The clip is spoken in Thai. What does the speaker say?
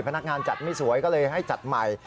พนักงานจัดไม่สวยก็เลยให้จัดใหม่